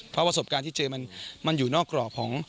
เพราะประสบการณ์ที่เจอมันอยู่นอกกรอบของ